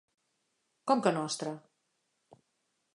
Com que nostre?